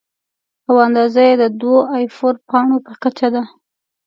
او اندازه یې د دوو اې فور پاڼو په کچه ده.